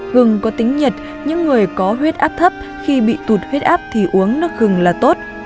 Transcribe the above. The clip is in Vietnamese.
gừng có tính nhiệt những người có huyết áp thấp khi bị tụt huyết áp thì uống nước gừng là tốt